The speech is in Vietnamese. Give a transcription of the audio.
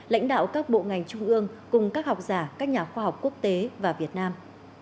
lãnh đạo các bộ ngành trung ương cùng các học giả các nhà khoa học quốc tế và việt nam